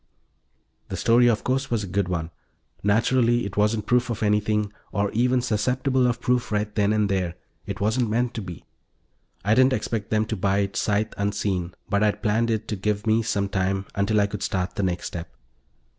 The story, of course, was a good one. Naturally it wasn't proof of anything, or even susceptible of proof right then and there; it wasn't meant to be. I didn't expect them to buy it sight unseen, but I'd planned it to give me some time until I could start the next step.